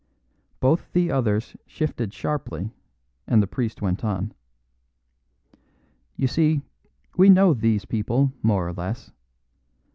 Both the others shifted sharply and the priest went on: "You see, we know these people, more or less.